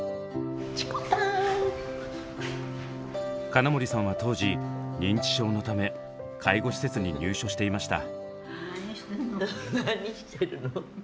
金森さんは当時認知症のため介護施設に入所していました。